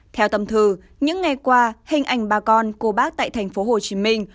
theo tâm thư những ngày qua hình ảnh bà con cô bác tại thành phố hồ chí minh